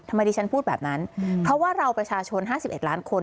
ดิฉันพูดแบบนั้นเพราะว่าเราประชาชน๕๑ล้านคน